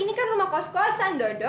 ini kan rumah kos kosan dada